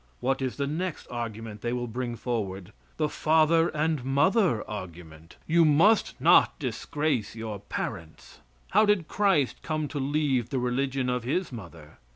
What is the next argument they will bring forward? The father and mother argument. You must not disgrace your parents. How did Christ come to leave the religion of His mother?